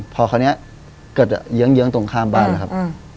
พอคราวนี้เกิดจะเยื้องเยื้องตรงข้ามบ้านอะครับ